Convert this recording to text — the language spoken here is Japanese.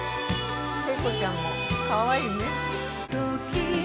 聖子ちゃんもかわいいね。